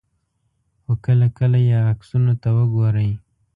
خو کله کله یې عکسونو ته وګورئ.